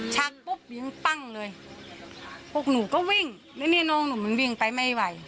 ชักปุ๊บวิ่งปั้งเลยพวกหนูก็วิ่งแล้วนี่น้องหนูมันวิ่งไปไม่ไหว